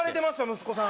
息子さん